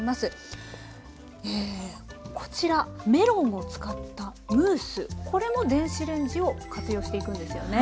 えこちらメロンを使ったムースこれも電子レンジを活用していくんですよね？